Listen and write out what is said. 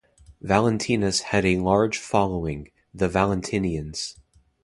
Valentinus had a large following, the Valentinians.